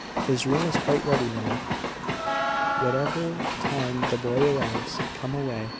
"His room is quite ready now, whatever time the boy arrives. Come away."